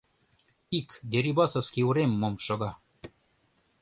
— Ик Дерибасовский урем мом шога.